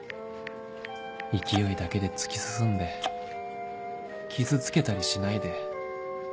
勢いだけで突き進んで傷つけたりしないで